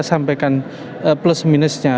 sampaikan plus minusnya